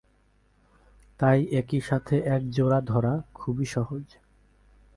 তাই একই সাথে এক জোড়া ধরা খুবই সহজ।